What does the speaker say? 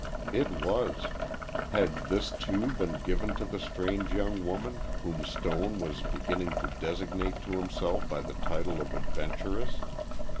It was. Had this too, been given to the strange young woman, whom Stone was beginning to designate to himself by the title of adventuress?